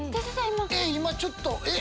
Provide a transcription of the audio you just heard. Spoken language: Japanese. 今ちょっとえっ⁉